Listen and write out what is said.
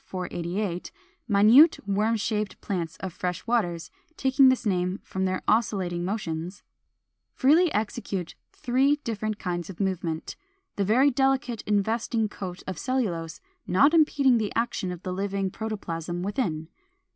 488, minute worm shaped plants of fresh waters, taking this name from their oscillating motions) freely execute three different kinds of movement, the very delicate investing coat of cellulose not impeding the action of the living protoplasm within.